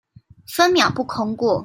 分秒不空過